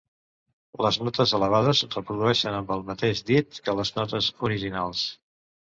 Les notes elevades es reprodueixen amb el mateix dit que les notes originals.